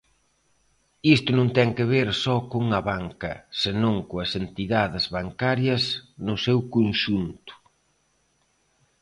Isto non ten que ver só con Abanca, senón coas entidades bancarias no seu conxunto.